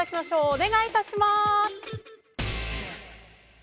お願い致します。